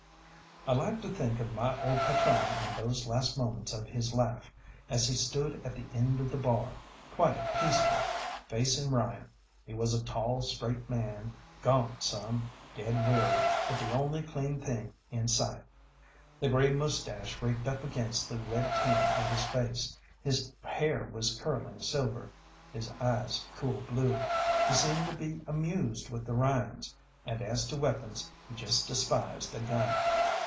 I like to think of my old patrone in those last moments of his life, as he stood at the end of the bar, quiet peaceful, facing Ryan. He was a tall, straight man, gaunt some, dead weary, but the only clean thing in sight. The grey moustache raked up against the red tan of his face, his hair was curling silver, his eyes cool blue. He seemed to be amused with the Ryans, and as to weapons, he just despised a gun.